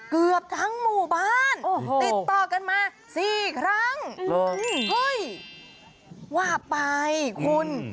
เกือบทั้งหมู่บ้านติดต่อกันมา๔ครั้งเฮ้ยว่าไปคุณ